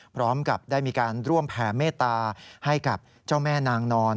พร้อมกับได้มีการร่วมแผ่เมตตาให้กับเจ้าแม่นางนอน